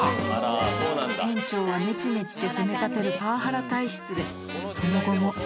［店長はねちねちと責めたてるパワハラ体質でその後も］